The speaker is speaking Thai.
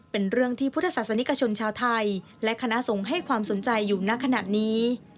เป็นเรื่องที่พุทธศาสนิกชนชาวไทยและคณะสงฆ์ให้ความสนใจอยู่ณขณะนี้